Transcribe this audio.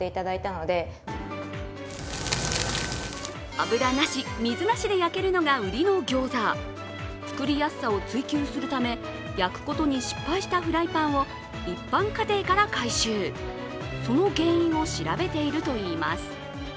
油なし、水なしで焼けるのがうりのギョーザ作りやすさを追求するため焼くことに失敗したフライパンを一般家庭から回収、その原因を調べているといいます。